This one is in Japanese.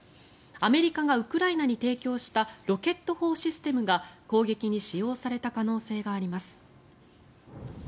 アメリカがウクライナに提供したロケット砲システムが攻撃に使用された可能性があります。